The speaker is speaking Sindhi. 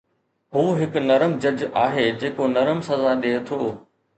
هو هڪ نرم جج آهي جيڪو نرم سزا ڏئي ٿو